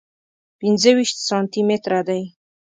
پنځه ویشت سانتي متره دی.